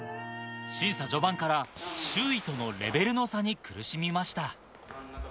審査序盤から周囲とのレベルの差に苦しみました。